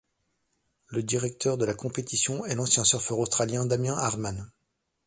Le Directeur de la compétition est l'ancien surfeur australien Damien Hardman.